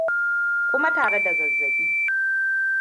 kuma tare da zazzaɓi